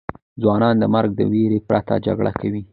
ځوانان د مرګ د ویرې پرته جګړه کوي.